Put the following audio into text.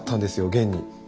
現に。